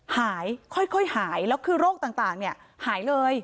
หายค่อยหายแล้วคือโรคต่างหายเลย